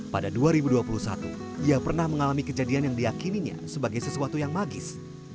pada dua ribu dua puluh satu dia pernah mengalami kejadian yang diakininya sebagai sesuatu yang magis